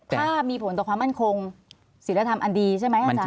ถ้ามีผลต่อความมั่นคงศิลธรรมอันดีใช่ไหมอาจาร